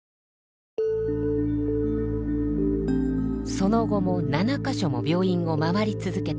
その後も７か所も病院を回り続けたひろこさん。